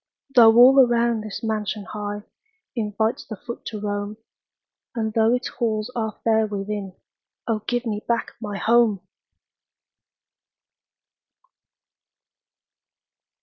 Though all around this mansion high Invites the foot to roam, And though its halls are fair within Oh, give me back my HOME!